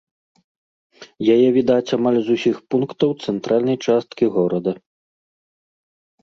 Яе відаць амаль з усіх пунктаў цэнтральнай часткі горада.